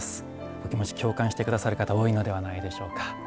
お気持ち共感して下さる方多いのではないでしょうか。